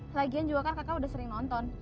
lagian juga kan kaka udah sering nonton